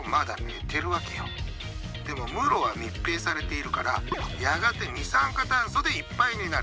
でも室は密閉されているからやがて二酸化炭素でいっぱいになる。